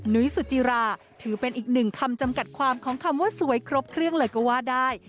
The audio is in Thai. นุ้ยสุจิราถือเป็นอีกหนึ่งคำจำกัดความของคำว่าสวยครบเครื่องเลยก็ว่าได้